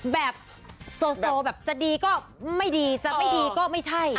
แบบโซแบบจะดีก็ไม่ดีจะไม่ดีก็ไม่ใช่